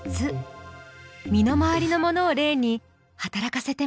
身の回りのものを例に働かせてみよう。